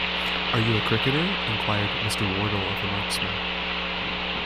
‘Are you a cricketer?’ inquired Mr. Wardle of the marksman.